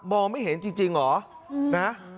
มองไม่เห็นจริงหรอ